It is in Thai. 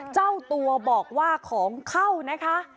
เจ้าตัวบอกว่าของเข้านะคะ